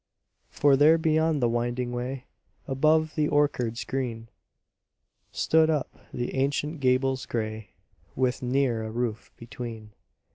For there beyond the winding way, Above the orchards green, Stood up the ancient gables grey With ne'er a roof between.